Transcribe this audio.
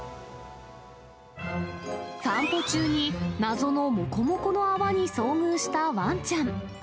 散歩中に謎のもこもこの泡に遭遇したワンちゃん。